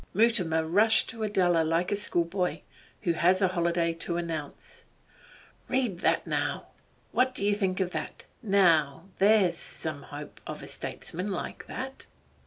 Mutimer rushed to Adela like a schoolboy who has a holiday to announce. 'Read that now! What do you think of that? Now there's some hope of a statesman like that!